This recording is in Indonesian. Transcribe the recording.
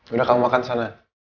udah kamu makan sana